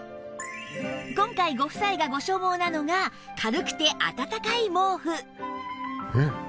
今回ご夫妻がご所望なのが軽くて暖かい毛布